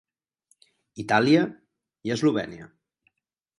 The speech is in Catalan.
Itàlia i Eslovènia.